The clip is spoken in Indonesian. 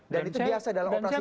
dan itu biasa dalam operasi ini